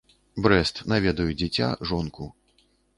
Брэст, наведаю дзіця, жонку.